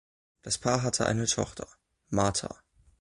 Das Paar hatte eine Tochter, Martha.